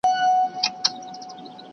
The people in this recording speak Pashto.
¬ د پښتانه بېره په سترگو کي ده.